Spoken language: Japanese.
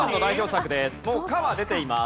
もう「か」は出ています。